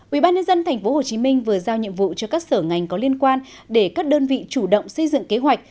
ủy ban nhân dân tp hcm vừa giao nhiệm vụ cho các sở ngành có liên quan để các đơn vị chủ động xây dựng kế hoạch